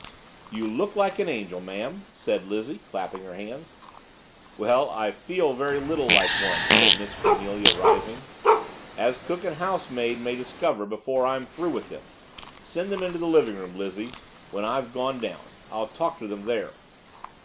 "You look like an angel, ma'am," said Lizzie, clasping her hands. "Well, I feel very little like one," said Miss Cornelia, rising. "As cook and housemaid may discover before I'm through with them. Send them into the livingroom, Lizzie, when I've gone down. I'll talk to them there."